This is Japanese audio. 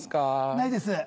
ないです。